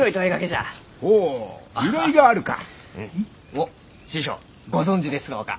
おっ師匠ご存じですろうか？